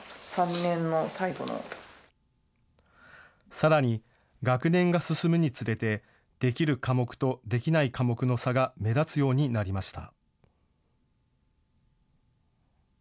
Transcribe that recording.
さらに学年が進むにつれてできる科目とできない科目の差が目立つようになりました。